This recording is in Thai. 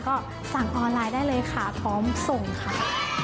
ก็สั่งออนไลน์ได้เลยค่ะพร้อมส่งค่ะ